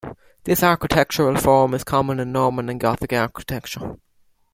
This architectural form is common in Norman and Gothic architecture.